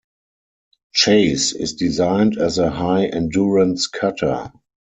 "Chase" is designed as a high endurance cutter.